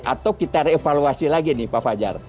atau kita revaluasi lagi nih pak fajar